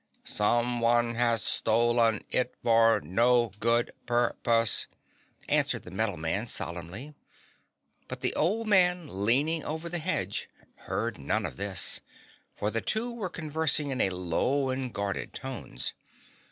"Some one has sto len it for no good pur pose," answered the Metal Man solemnly. But the old man leaning over the hedge heard none of this, for the two were conversing in low and guarded tones.